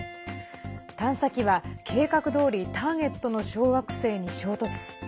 探査機は計画どおりターゲットの小惑星に衝突。